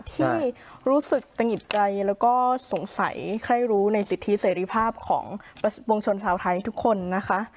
ที่รู้สึกตะหิดใจแล้วก็สงสัยใครรู้ในสิทธิเสรีภาพของวงชนชาวไทยทุกคนนะคะ